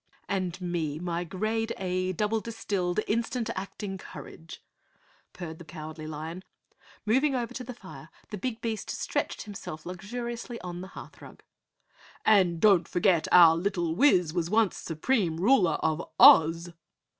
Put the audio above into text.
"And me, my grade A, double distilled, instant acting courage," purred the Cowardly Lion. Moving over to the fire, the big beast stretched himself luxuriously on the hearth rug. "And don't forget our little Wiz was once Supreme Ruler of Oz!"